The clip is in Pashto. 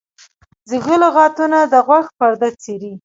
زیږه لغتونه د غوږ پرده څیري.